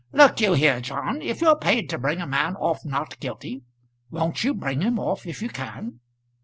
Look you here, John; if you're paid to bring a man off not guilty, won't you bring him off if you can?